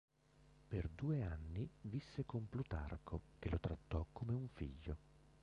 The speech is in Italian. Per due anni visse con Plutarco, che lo trattò come un figlio.